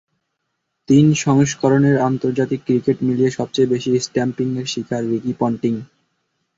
তিন সংস্করণের আন্তর্জাতিক ক্রিকেট মিলিয়ে সবচেয়ে বেশি স্টাম্পিংয়ের শিকার রিকি পন্টিং।